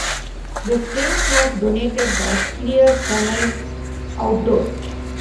The space was donated by Clear Chanel Outdoor.